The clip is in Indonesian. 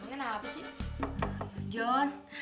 john jangan bukain john